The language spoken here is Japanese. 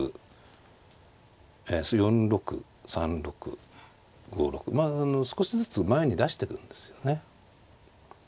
４六３六５六まあ少しずつ前に出してるんですよね。